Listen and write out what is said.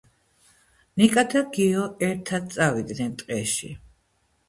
ნიკა და გიო ერთად წავიდნენ ტყეში